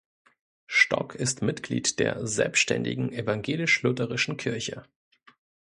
Stock ist Mitglied der Selbständigen Evangelisch-Lutherischen Kirche.